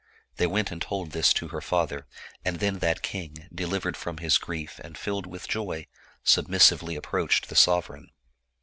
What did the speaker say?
They went and told this to her father, and then that king, delivered from his grief, and filled with joy, sub missively approached the sovereign.